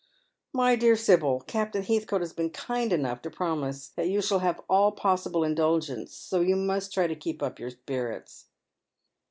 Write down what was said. " My dear Sibyl, Captain Heathcote has been kind enough to promise that you shall have all possible indulgence, so you must try to keep up your spirits."